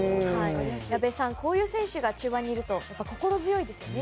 矢部さん、こういう選手が中盤にいると心強いですね。